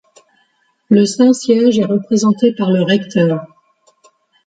Le Saint-Siège est représenté par le recteur.